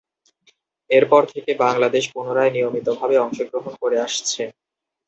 এরপর থেকে বাংলাদেশ পুনরায় নিয়মিতভাবে অংশগ্রহণ করে আসছে।